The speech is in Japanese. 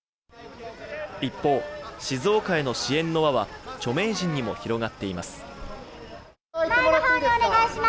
一方、静岡への支援の輪は著名人にも広がっています。